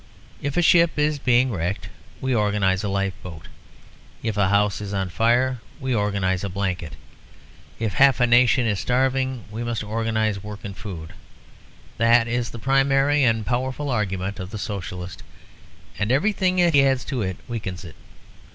If a ship is being wrecked, we organise a lifeboat; if a house is on fire, we organise a blanket; if half a nation is starving, we must organise work and food. That is the primary and powerful argument of the Socialist, and everything that he adds to it weakens it.